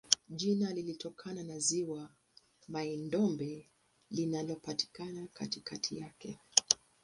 Jina linatokana na ziwa Mai-Ndombe linalopatikana katikati yake.